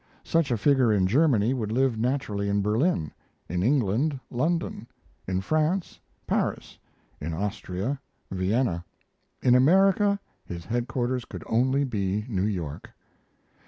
Such a figure in Germany would live naturally in Berlin; in England London; in France, Paris; in Austria, Vienna; in America his headquarters could only be New York.